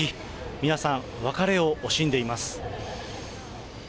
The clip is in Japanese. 皆さん、別れを惜しんでいます。